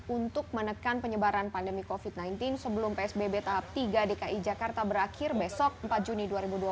untuk menekan penyebaran pandemi covid sembilan belas sebelum psbb tahap tiga dki jakarta berakhir besok empat juni dua ribu dua puluh